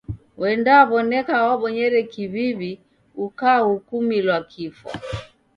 W'endaw'oneka wabonyere kiw'iw'i ukahukumilwa kifwa.